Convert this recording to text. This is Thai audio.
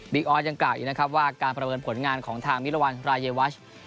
ออสยังกล่าวอีกนะครับว่าการประเมินผลงานของทางมิรวรรณรายวัช